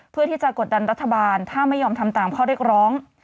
เพื่อที่จะกดดันรัฐบาลถ้าไม่ยอมทำตามข้อเรียกร้อง